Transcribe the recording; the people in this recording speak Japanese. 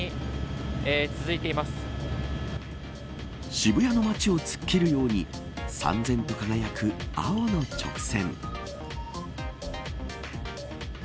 渋谷の街を突っ切るようにさんぜんと輝く青の直線。